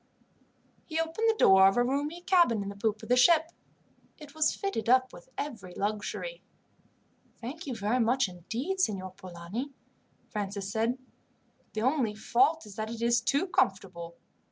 He opened the door of a roomy cabin in the poop of the ship. It was fitted up with every luxury. "Thank you very much indeed, Signor Polani," Francis said. "The only fault is that it is too comfortable.